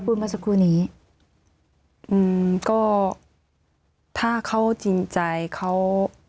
เมื่อสักครู่นี้อืมก็ถ้าเขาจริงใจเขา